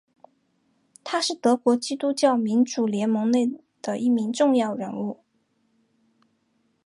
他是德国基督教民主联盟内的一名重要人物。